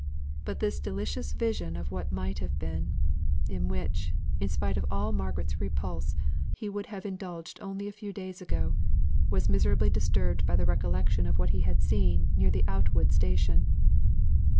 But this delicious vision of what might have been in which, in spite of all Margaret's repulse, he would have indulged only a few days ago was miserably disturbed by the recollection of what he had seen near the Outwood station.